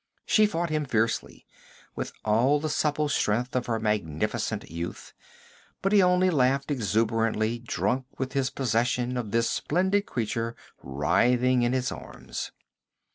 She fought him fiercely, with all the supple strength of her magnificent youth, but he only laughed exuberantly, drunk with his possession of this splendid creature writhing in his arms.